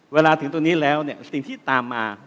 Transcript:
เวลาถึงตรงนี้แล้วเนี่ยสิ่งที่ตามมา